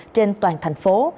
trên toàn thành phố